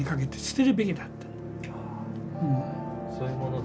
そういうものですか？